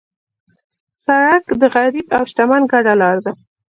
سړک د غریب او شتمن ګډه لار ده.